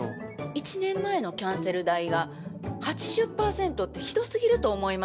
１年前のキャンセル代が８０％ってひどすぎると思います。